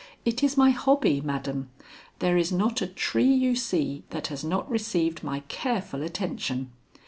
It is my hobby, madam. There is not a tree you see that has not received my careful attention.